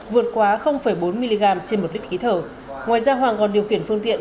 vượt quá bốn mg trên một lít khí thở ngoài ra hoàng còn điều khiển phương tiện